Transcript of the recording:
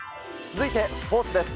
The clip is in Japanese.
続いて、スポーツです。